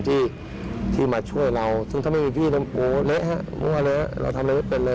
วิติใหม่ของวงการเพลงนะ